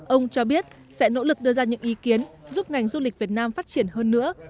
ông cho biết sẽ nỗ lực đưa ra những ý kiến giúp ngành du lịch việt nam phát triển hơn nữa